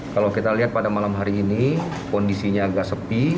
kalau kita lihat pada malam hari ini kondisinya agak sepi